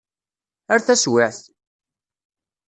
Ar taswiεt!